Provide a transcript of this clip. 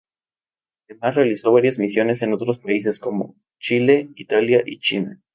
Además, realizó varias misiones a otros países, como Chile, Italia y China.